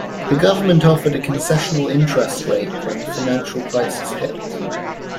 The government offered a concessional interest rate when the financial crisis hit.